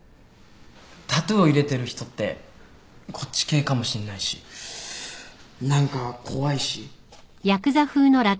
タトゥーを入れてる人ってこっち系かもしんないし何か怖いし。